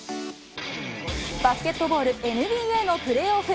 バスケットボールＮＢＡのプレーオフ。